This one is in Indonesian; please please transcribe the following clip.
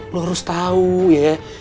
lu harus tau ya